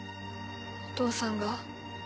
お父さんが？